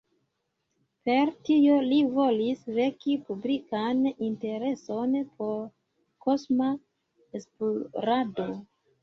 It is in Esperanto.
Per tio li volis veki publikan intereson por kosma esplorado.